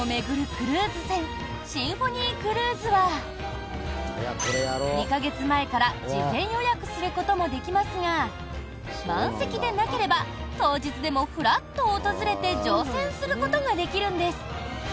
クルーズ船シンフォニークルーズは２カ月前から事前予約することもできますが満席でなければ当日でもふらっと訪れて乗船することができるんです。